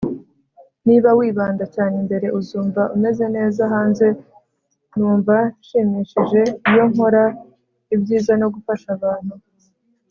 niba wibanda cyane imbere, uzumva umeze neza hanze. numva nshimishije iyo nkora ibyiza no gufasha abantu